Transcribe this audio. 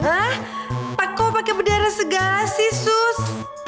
hah pak kok pake berdarah segala sih sus